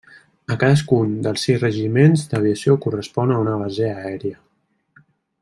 A cadascun dels sis regiments d'aviació correspon a una base aèria.